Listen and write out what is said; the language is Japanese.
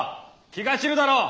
・気が散るだろう。